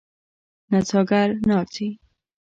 نڅاګر ناڅي.